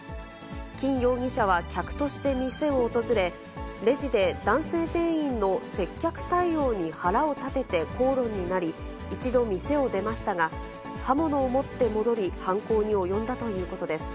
金容疑者は客として店を訪れ、レジで男性店員の接客対応に腹を立てて口論になり、一度店を出ましたが、刃物を持って戻り、犯行に及んだということです。